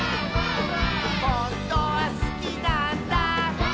「ほんとはすきなんだ」